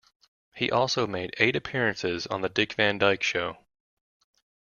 He also made eight appearances on the "Dick Van Dyke Show".